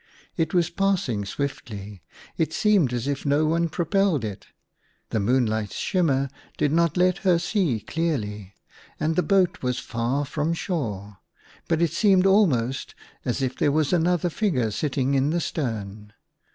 It was pass ing swiftly ; it seemed as if no one propelled it ; the moonlight's shimmer did not let her see clearly, and the boat was far from shore, but it seemed almost as if there was another figure sitting in the stern.